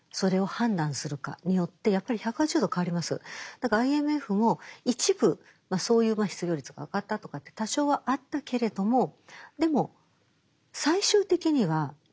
だからＩＭＦも一部そういう失業率が上がったとかって多少はあったけれどもでも最終的には鎮静化しましたよね